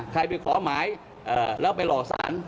ใครไปขอหมายแล้วไปหล่อสาร